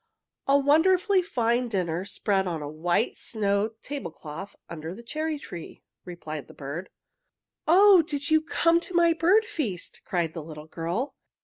"A wonderfully fine dinner spread on a white snow table cloth under the cherry tree!" replied the bird. "Oh, did you come to my bird feast?" cried the little girl.